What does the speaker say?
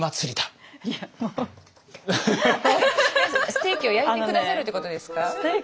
ステーキを焼いて下さるということですか？